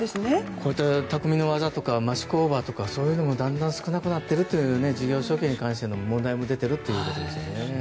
こうやった匠の技とか、町工場とかそういうのもだんだん少なくなっているという事業承継に関しての問題も出ているということですね。